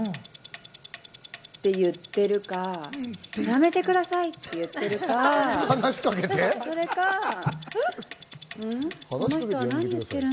って言っているか、やめてくださいって言っているか、それか、ん？